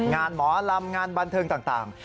งานหมอลำงานบันเทิงต่าง